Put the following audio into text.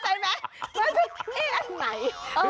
อย่างนั้นคุณเข้าใจไหม